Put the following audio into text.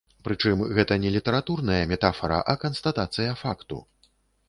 Прычым гэта не літаратурная метафара, а канстатацыя факту.